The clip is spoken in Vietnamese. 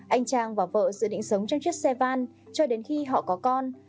anh trang và vợ dự định sống trong chiếc xe van cho đến khi họ có con